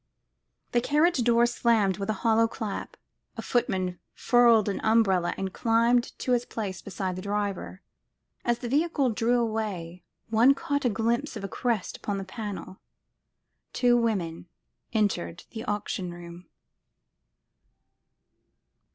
The carriage door slammed with a hollow clap; a footman furled an umbrella and climbed to his place beside the driver. As the vehicle drew away, one caught a glimpse of a crest upon the panel. Two women entered the auction room.